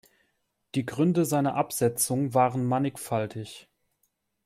Die Gründe seiner Absetzung waren mannigfaltig.